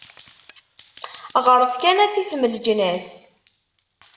Ɣret kan, ad tifem leǧnas.